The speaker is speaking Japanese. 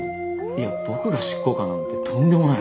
いや僕が執行官なんてとんでもない。